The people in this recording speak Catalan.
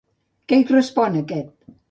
Què hi respon, aquest?